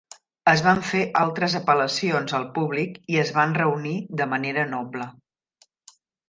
Es van fer altres apel·lacions al públic i es van reunir de manera noble.